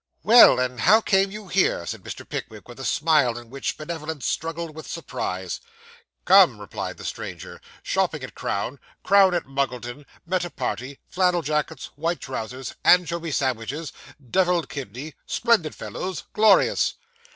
'Well; and how came you here?' said Mr. Pickwick, with a smile in which benevolence struggled with surprise. 'Come,' replied the stranger 'stopping at Crown Crown at Muggleton met a party flannel jackets white trousers anchovy sandwiches devilled kidney splendid fellows glorious.